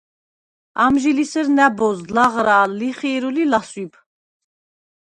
ამჟი ლი სერ ნა̈ბოზდ ლაღრა̄ლ, ლიხი̄რულ ი ლასვიბ.